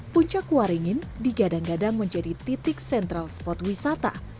puncak waringin digadang gadang menjadi titik sentral spot wisata